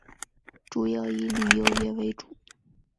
主要以旅游业为主。